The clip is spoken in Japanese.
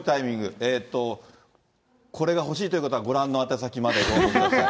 えっと、これが欲しいという方は、ご覧の宛先までご応募ください。